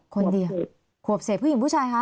คนเดียวขวบเศษผู้หญิงผู้ชายคะ